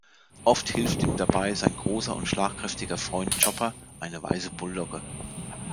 Oft hilft ihm dabei sein großer und schlagkräftiger Freund "Chopper", eine weiße Bulldogge.